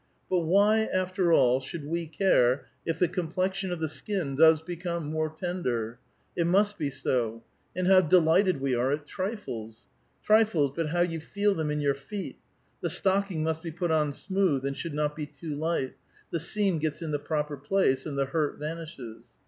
But why after all should we care if the com plexion of the skin does become more tender? It must be so. And how delighted we are at trifles ! Trifles, but how you feel them in your feet ! The stocking must be put on smooth, and should not be too light ; the seam gets in the proper place, and the hurt vanishes.